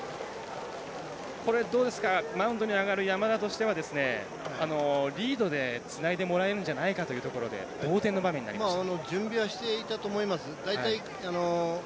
マウンドに上がる山田とすればリードでつないでもらえるんじゃないかというところで同点の場面になりました。